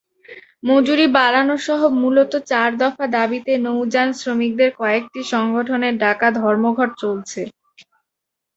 মজুরি বাড়ানোসহ মূলত চার দফা দাবিতে নৌযানশ্রমিকদের কয়েকটি সংগঠনের ডাকা ধর্মঘট চলছে।